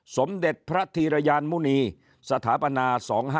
สมเด็จพระธีรยานมุณีสถาปนา๒๕๖